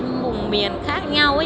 mùng miền khác nhau